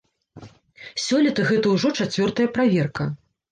Сёлета гэта ўжо чацвёртая праверка.